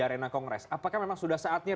arena kongres apakah memang sudah saatnya